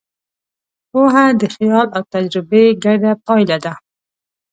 پوهه د خیال او تجربې ګډه پایله ده.